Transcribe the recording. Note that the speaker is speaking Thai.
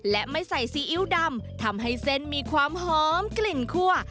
และไม่ใส่ซีอิ๊วดำทำให้เส้นมีความหอมกลิ่นคั่ว